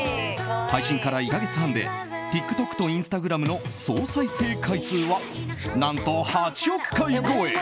配信から１か月半でＴｉｋＴｏｋとインスタグラムの総再生回数は何と８億回超え。